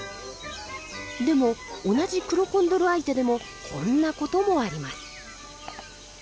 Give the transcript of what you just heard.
でも同じクロコンドル相手でもこんな事もあります。